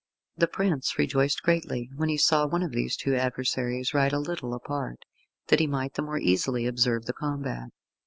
The prince rejoiced greatly when he saw one of these two adversaries ride a little apart, that he might the more easily observe the combat.